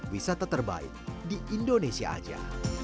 wisata terbaik di indonesia aja